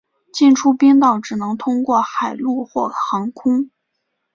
进出冰岛只能通过海路或航空。